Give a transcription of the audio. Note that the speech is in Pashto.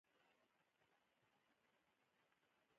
د تعلیم مخالفت د پرمختګ مخه نیسي.